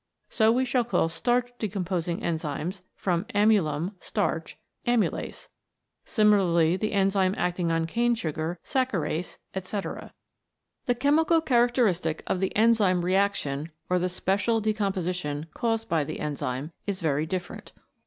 So we shall call starch decomposing enzymes, from amylum, starch, Amylase ; similarly the enzyme acting on cane sugar Saccharase, etc. The chemical characteristic of the enzyme reaction or the special decomposition caused by the enzyme is very different.